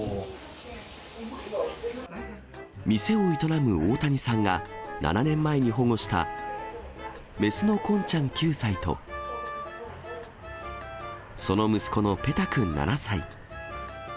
店を営む大谷さんが、７年前に保護した雌のコンちゃん９歳と、その息子のペタくん７歳。